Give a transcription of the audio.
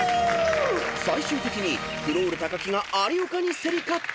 ［最終的にクロール木が有岡に競り勝った！］